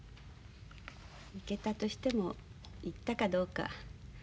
行けたとしても行ったかどうか。